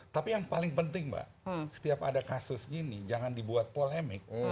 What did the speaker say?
tapi yang paling penting mbak setiap ada kasus gini jangan dibuat polemik